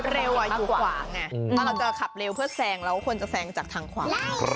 เราขับและอยู่ด้วยมากกว่า